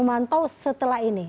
itu setelah ini